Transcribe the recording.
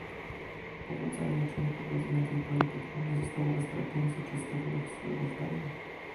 Powodzenie czy niepowodzenie tej polityki nie zostało wystarczająco przedstawione w sprawozdaniu